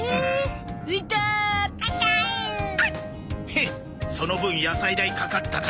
ヘッその分野菜代かかっただろ。